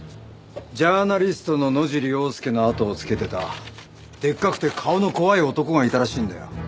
ジャーナリストの野尻要介のあとをつけてたでっかくて顔の怖い男がいたらしいんだよ。